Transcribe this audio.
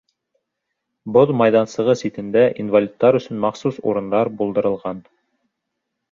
Боҙ майҙансығы ситендә инвалидтар өсөн махсус урындар булдырылған.